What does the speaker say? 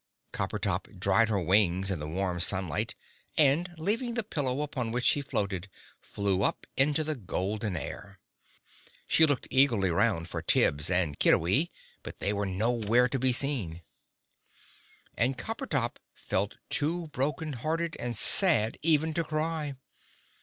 Coppertop dried her wings in the warm sunlight, and leaving the pillow upon which she floated, flew up into the golden air. She looked eagerly round for Tibbs and Kiddiwee, but they were nowhere to be seen. And Coppertop felt too broken hearted and sad even to cry.